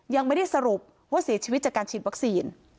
ยังไม่ได้สรุปว่าเสียชีวิตจากการฉีดวัคซีน